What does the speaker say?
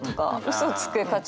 嘘つく価値